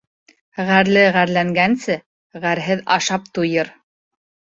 Ғәрле ғәрләнгәнсе, ғәрһеҙ ашап туйыр.